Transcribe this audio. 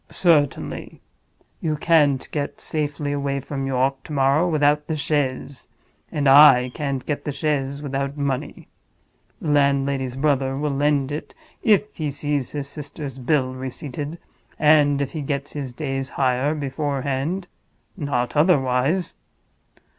"Certainly. You can't get safely away from York to morrow without the chaise. And I can't get the chaise without money. The landlady's brother will lend it if he sees his sister's bill receipted, and if he gets his day's hire beforehand—not otherwise.